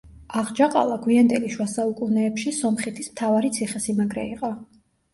აღჯაყალა გვიანდელი შუა საუკუნეებში სომხითის მთავარი ციხესიმაგრე იყო.